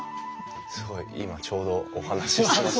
すごい今ちょうどお話ししてました。